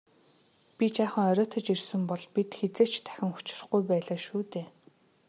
Би жаахан оройтож ирсэн бол бид хэзээ ч дахин учрахгүй байлаа шүү дээ.